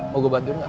mau gue bantuin gak